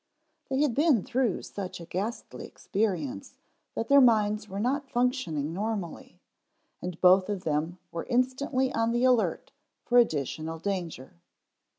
They had been through such a ghastly experience that their minds were not functioning normally, and both of them were instantly on the alert for additional danger.